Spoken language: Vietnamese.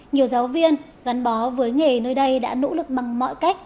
nhiều giáo viên gắn bó với nghề nơi đây đã nỗ lực bằng mọi cách